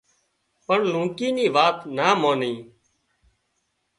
پڻ لونڪي نِي وات نا ماني